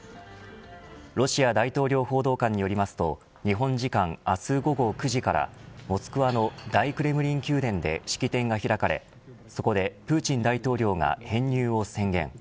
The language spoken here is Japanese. ロシア大統領報道官によりますと日本時間明日午後９時からモスクワの大クレムリン宮殿で式典が開かれそこでプーチン大統領が編入を宣言。